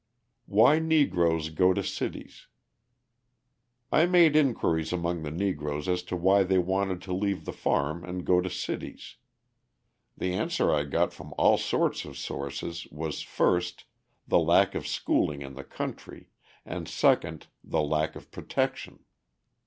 Why Negroes Go to Cities I made inquiries among the Negroes as to why they wanted to leave the farms and go to cities. The answer I got from all sorts of sources was first, the lack of schooling in the country, and second, the lack of protection.